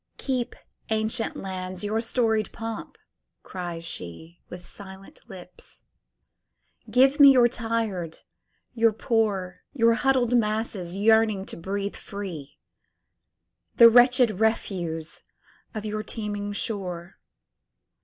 "Keep, ancient lands, your storied pomp!" cries sheWith silent lips. "Give me your tired, your poor, Your huddled masses yearning to breathe free, The wretched refuse of your teeming shore.